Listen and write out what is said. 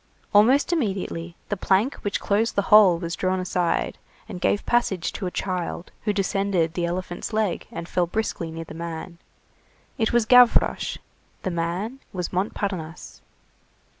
Almost immediately, the plank which closed the hole was drawn aside, and gave passage to a child who descended the elephant's leg, and fell briskly near the man. It was Gavroche. The man was Montparnasse.